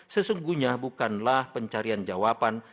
sesungguhnya bukanlah pencarian jawaban